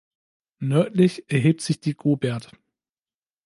Nördlich erhebt sich die Gobert.